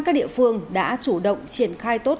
các địa phương đã chủ động triển khai tốt